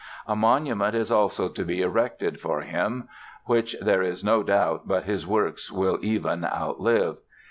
A Monument is also to be erected for him, which there is no doubt but his Works will even outlive.